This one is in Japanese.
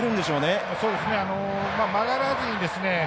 そうですね。